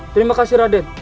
terima kasih raden